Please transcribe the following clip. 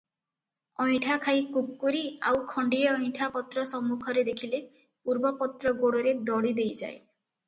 ଅଇଣ୍ଠା ଖାଈ କୁକ୍କୁରୀ ଆଉ ଖଣ୍ତିଏ ଅଇଣ୍ଠା ପତ୍ର ସମ୍ମୁଖରେ ଦେଖିଲେ ପୂର୍ବପତ୍ର ଗୋଡ଼ରେ ଦଳିଦେଇଯାଏ ।